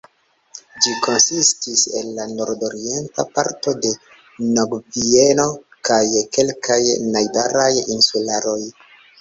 Ĝi konsistis el la nordorienta parto de Novgvineo kaj kelkaj najbaraj insularoj.